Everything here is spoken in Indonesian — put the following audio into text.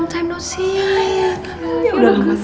kamu masih kelihatan bagus